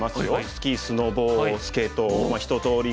スキースノボスケート一とおり